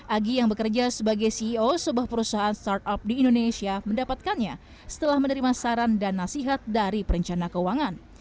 agi yang bekerja sebagai ceo sebuah perusahaan startup di indonesia mendapatkannya setelah menerima saran dan nasihat dari perencana keuangan